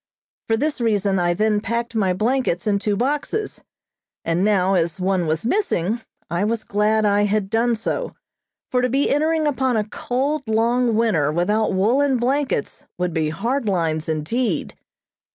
For this reason I then packed my blankets in two boxes, and now as one was missing I was glad I had done so, for to be entering upon a cold, long winter without woolen blankets would be hard lines indeed.